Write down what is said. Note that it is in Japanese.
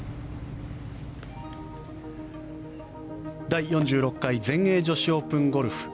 第４６回全英女子オープンゴルフ。